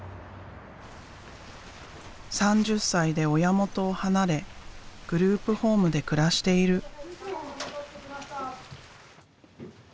３０歳で親元を離れグループホームで暮らしている。